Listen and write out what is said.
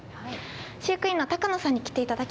飼育員の野さんに来ていただきました。